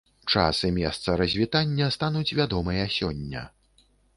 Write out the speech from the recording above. Час і месца развітання стануць вядомыя сёння.